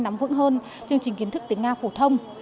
nắm vững hơn chương trình kiến thức tiếng nga phổ thông